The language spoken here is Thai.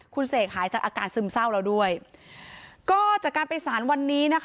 คุณเสกหายจากอาการซึมเศร้าแล้วด้วยก็จากการไปสารวันนี้นะคะ